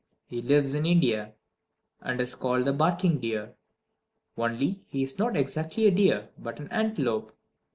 He lives in India, and is called the barking deer; only, he is not exactly a deer, but an antelope.